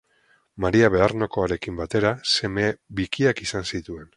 Maria Bearnokoarekin batera seme bikiak izan zituen.